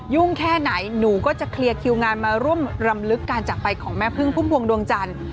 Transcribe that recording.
แค่ไหนหนูก็จะเคลียร์คิวงานมาร่วมรำลึกการจักรไปของแม่พึ่งพุ่มพวงดวงจันทร์